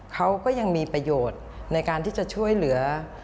เขาก็ยังมีประโยชน์ในการที่จะช่วยเหลือ